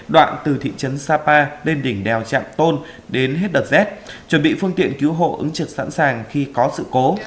đoạn từ thị trấn sapa lên đỉnh đèo trạm tôn đến hết đợt rét chuẩn bị phương tiện cứu hộ ứng trực sẵn sàng khi có sự cố